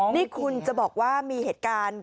นี่คุณจะบอกว่ามีเหตุการณ์